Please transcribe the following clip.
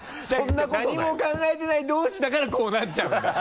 何も考えてない同士だからこうなっちゃうんだよ。